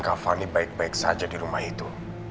kak fanny akan baik baik saja di rumah itu